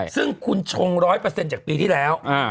ซึ่งคุณชง๑๐๐จากปีที่แล้ว